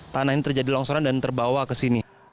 tanah ini terjadi longsoran dan terbawa ke sini